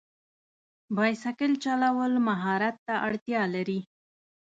بایسکل چلول مهارت ته اړتیا لري.